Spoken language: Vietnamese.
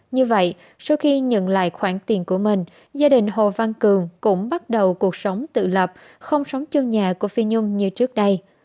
như vậy sau khi nhận lại khoản tiền của mình gia đình hồ văn cường cũng bắt đầu cuộc sống tự lập không sống chung nhà của phi nhung như trước đây